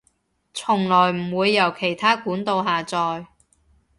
從來唔會由其它管道下載